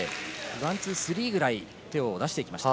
ワン、ツー、スリーぐらい手を出していきました。